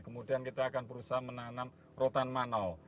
kemudian kita akan berusaha menanam rotan manau